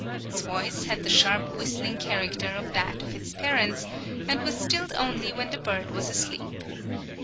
Its voice had the sharp whistling character of that of its parents, and was stilled only when the bird was asleep.